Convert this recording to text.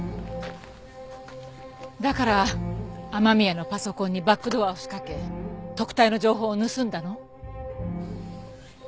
だから雨宮のパソコンにバックドアを仕掛け特対の情報を盗んだの？